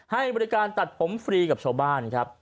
ให้บริการตัดผมฟรีกับชาวบ้านครับ